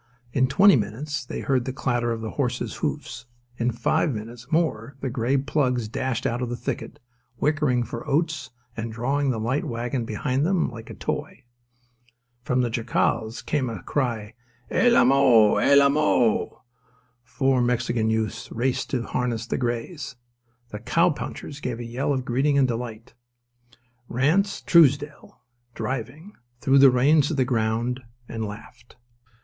In twenty minutes they heard the clatter of the horses' hoofs: in five minutes more the grey plugs dashed out of the thicket, whickering for oats and drawing the light wagon behind them like a toy. From the jacals came a cry of: "El Amo! El Amo!" Four Mexican youths raced to unharness the greys. The cowpunchers gave a yell of greeting and delight. Ranse Truesdell, driving, threw the reins to the ground and laughed.